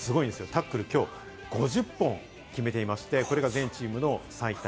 タックル５０本を決めていましてこれが全チームの最多。